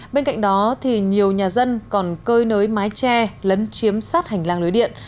bên cạnh đó nhiều nhà dân còn cơi nới mái tre lấn chiếm sát hành lang lưới điện